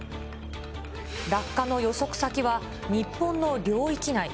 落下の予測先は、日本の領域内。